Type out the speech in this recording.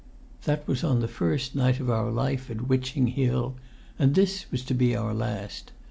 That was on the first night of our life at Witching Hill, and this was to be our last.